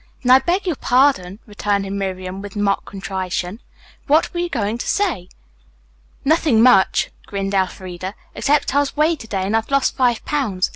"Then I beg your pardon," returned Miriam, with mock contrition. "What were you going to say?" "Nothing much," grinned Elfreda, "except that I was weighed to day and I've lost five pounds.